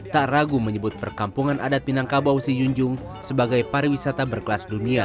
tak ragu menyebut perkampungan adat minangkabau si junjung sebagai pariwisata berkelas dunia